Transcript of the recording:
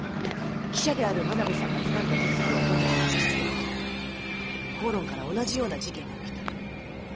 記者である真鍋さんがつかんだ事実を本人に突き付け口論から同じような事件が起きた。